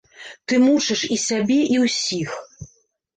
Ты мучыш і сябе і ўсіх.